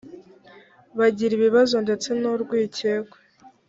bagira ibibazo ndetse n ‘urwikekwe.